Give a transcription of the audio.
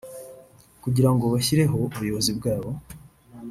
kugira ngo bashyireho ubuyobozi bwabo